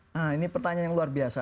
nah ini pertanyaan yang luar biasa